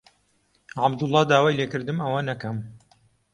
عەبدوڵڵا داوای لێ کردم ئەوە نەکەم.